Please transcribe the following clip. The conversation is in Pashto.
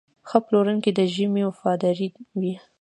ښه پلورونکی د ژمنې وفادار وي.